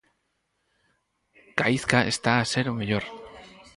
Gaizca está a ser o mellor.